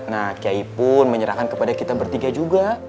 nah kiai pun menyerahkan kepada kita bertiga juga